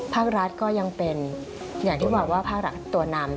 ภาครัฐก็ยังเป็นอย่างที่บอกว่าภาครัฐตัวนำ